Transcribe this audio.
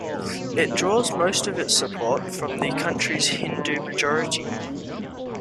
It draws most of its support from the country's Hindu majority.